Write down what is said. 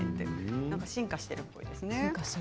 なんか進化しているっぽいですね。